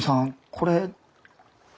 これ。